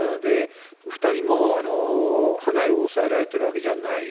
２人も派内を押さえられてるわけじゃない。